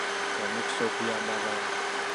Kya mukisa okuyamba abalala.